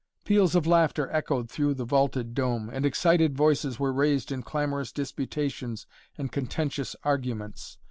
Peals of laughter echoed through the vaulted dome, and excited voices were raised in clamorous disputations and contentious arguments.